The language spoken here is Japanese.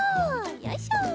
よいしょ。